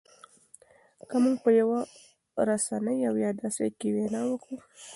که مونږ په یوه رسنۍ او یا داسې ځای کې وینا کوو